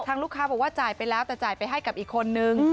ลูกค้าบอกว่าจ่ายไปแล้วแต่จ่ายไปให้กับอีกคนนึง